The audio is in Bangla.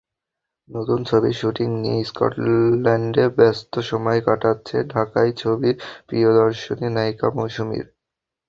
নতুন ছবির শুটিং নিয়ে স্কটল্যান্ডে ব্যস্ত সময় কাটছে ঢাকাই ছবির প্রিয়দর্শিনী নায়িকা মৌসুমীর।